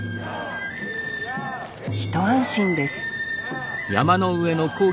一安心ですヤー！